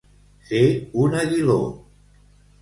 Ser un aguiló.